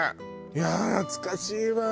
いやあ懐かしいわ。